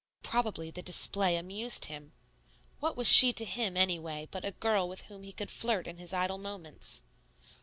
Probably the display amused him. What was she to him anyway but a girl with whom he could flirt in his idle moments?